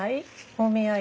お見合いで？